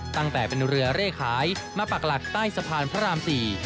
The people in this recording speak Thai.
ตั้งแต่เป็นเรือเร่ขายมาปักหลักใต้สะพานพระราม๔